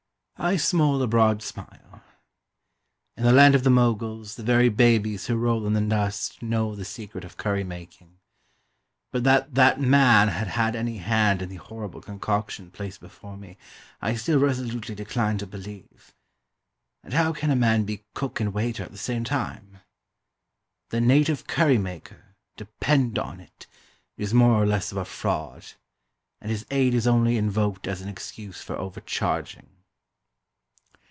I smole a broad smile. In the Land of the Moguls the very babies who roll in the dust know the secret of curry making. But that "that man" had had any hand in the horrible concoction placed before me I still resolutely decline to believe. And how can a man be cook and waiter at the same time? The "native curry maker," depend on it, is more or less of a fraud; and his aid is only invoked as an excuse for overcharging.